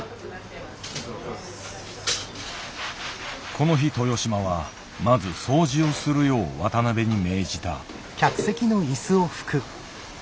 この日豊島はまず掃除をするよう渡辺に命じた。